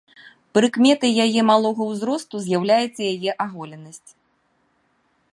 Прыкметай яе малога ўзросту з'яўляецца яе аголенасць.